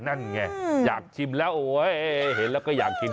นั่นไงอยากชิมแล้วโอ๊ยเห็นแล้วก็อยากกิน